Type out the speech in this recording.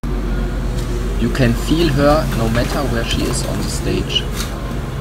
You can feel her no matter where she is on the stage.